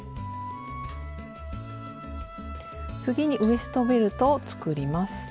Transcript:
次にウエストベルトを作ります。